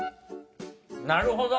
なるほど。